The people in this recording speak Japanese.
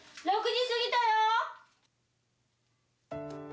６時過ぎたよ！